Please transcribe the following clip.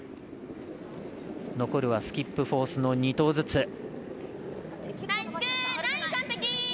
残るはスキップ、フォースの２投ずつ。